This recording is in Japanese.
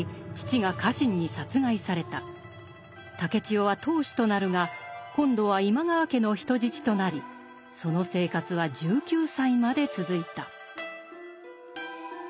竹千代は当主となるが今度は今川家の人質となりその生活は１９歳まで続いた。